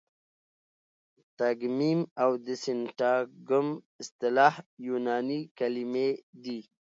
تګمیم او د سینټاګم اصطلاح یوناني کلیمې دي.